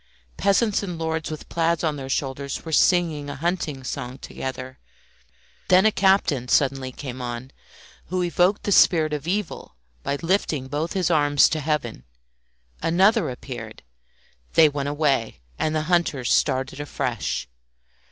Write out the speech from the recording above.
Peasants and lords with plaids on their shoulders were singing a hunting song together; then a captain suddenly came on, who evoked the spirit of evil by lifting both his arms to heaven. Another appeared; they went away, and the hunters started afresh.